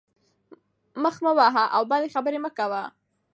مخ مه وهه او بدې خبرې مه کوه.